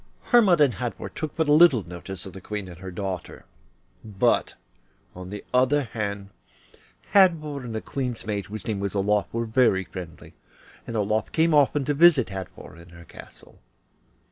Hermod and Hadvor took but little notice of the Queen and her daughter, but, on the other hand, Hadvor and the Queen's maid, whose name was Olof, were very friendly, and Olof came often to visit Hadvor in her castle.